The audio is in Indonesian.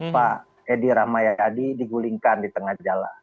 pak edi rahmayadi digulingkan di tengah jalan